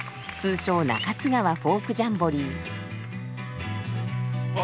通称中津川フォークジャンボリー。